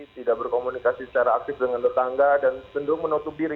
tidak berkomunikasi secara aktif dengan tetangga dan cenderung menutup diri